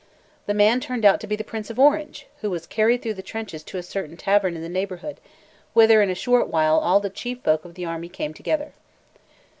The man turned out to be the Prince of Orange, who was carried through the trenches to a certain tavern in the neighbourhood, whither in a short while all the chief folk of the army came together.